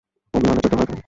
ও বিমানে চরতে ভয় পায়।